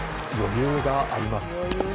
余裕があります。